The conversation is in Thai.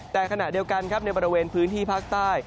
แต่ขณะเดียวกันครับในบริเวณพื้นที่ภาคใต้